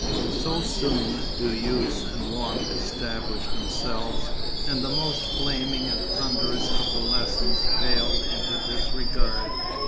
So soon do use and wont establish themselves, and the most flaming and thunderous of lessons pale into disregard.